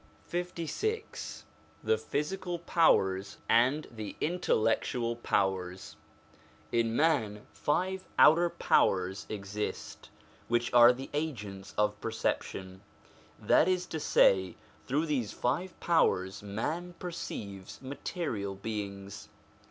LVI THE PHYSICAL POWERS AND THE INTELLECTUAL POWERS IN man five outer powers exist, which are the agents of perception ; that is to say, through these five powers man perceives material beings.